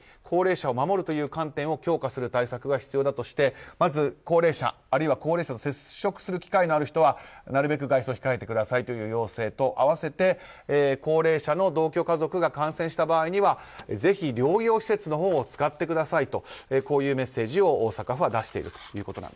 高齢者を守るという観点を強化する対策が必要だとしてまず高齢者、高齢者と接触する機会のある人はなるべく外出を控えてくださいということと併せて、高齢者の同居家族が感染した場合にはぜひ療養施設のほうを使ってくださいというメッセージを大阪府は出しています。